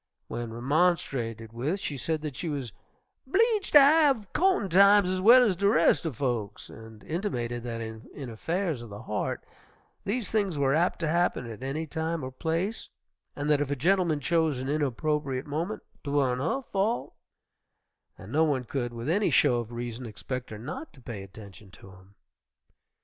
When remonstrated with she said that she was "'bleeged ter have co'tin' times ez well ez de res' er folks," and intimated that in affairs of the heart these things were apt to happen at any time or place, and that if a gentleman chose an inopportune moment "'twan't her fault," and no one could, with any show of reason, expect her not to pay attention to him.